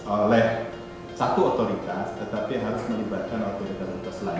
oleh satu otoritas tetapi harus melibatkan otoritas lain